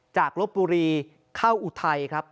จากลบบุรีเข้าอุทัยบบุรีฮ์ครับ